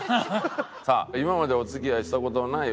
さあ今までお付き合いした事のないお二人。